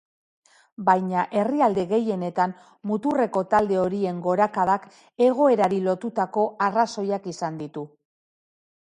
Baina herrialde gehienetan muturreko talde horien gorakadak egoerari lotutako arrazoiak izan ditu.